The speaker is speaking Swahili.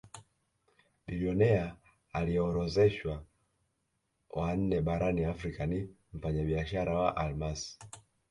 Bilionea aliyeorodheshwa wa nne barani Afrika ni mfanyabiashara wa almasi